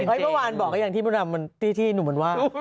เมื่อวานบอกก็อย่างที่มดดำที่หนุ่มมันว่า